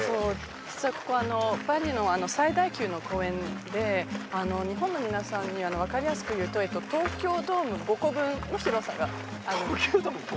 実は、ここはパリの最大級の公園で、日本の皆さんに分かりやすくいうと東京ドーム５個分の広さがある。